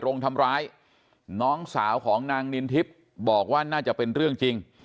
ลงทำร้ายน้องสาวของนางนินทิพย์บอกว่าน่าจะเป็นเรื่องจริง